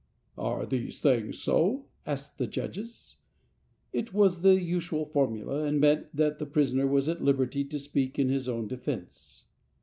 " Are these things so ?" asked the judges. It was the usual formula, and meant that the prisoner was at liberty to speak in his own defence.